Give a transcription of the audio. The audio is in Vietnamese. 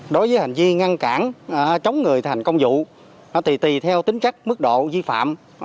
đối với hành vi ngăn cản chống người thành công vụ thì tùy theo tính chất mức độ vi phạm